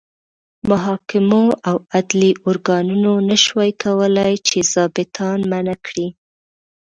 محاکمو او عدلي ارګانونو نه شوای کولای چې ظابیطان منع کړي.